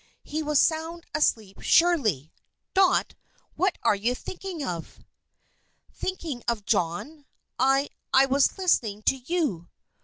He was sound asleep surely! Dot, what are you thinking of?" "Thinking of, John? I I was listening to you."